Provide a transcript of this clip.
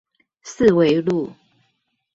四維路